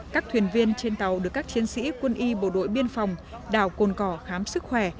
các thuyền viên trên tàu được các chiến sĩ quân y bộ đội biên phòng đảo cồn cỏ khám sức khỏe